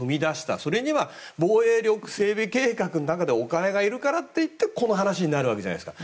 それには、防衛力整備計画の中でお金がいるからといってこの話になるわけじゃないですか。